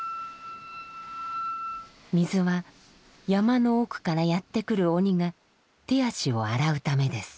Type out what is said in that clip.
水は山の奥からやってくる鬼が手足を洗うためです。